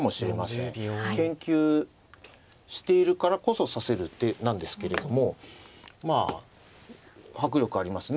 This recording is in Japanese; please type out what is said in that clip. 研究しているからこそ指せる手なんですけれどもまあ迫力ありますね。